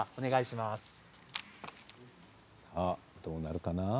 どうなるかな？